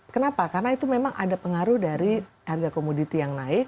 kenapa karena itu memang ada pengaruh dari harga komoditi yang naik